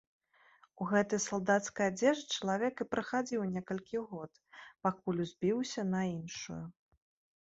У гэтай салдацкай адзежы чалавек і прахадзіў некалькі год, пакуль узбіўся на іншую.